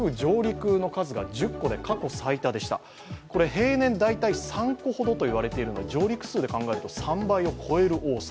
平年大体３個ほどといわれているので上陸数を数えると３倍を超える多さ。